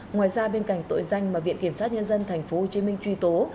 ngoài ra bên cạnh tội danh mà viện kiểm sát nhân dân tp hcm truy tố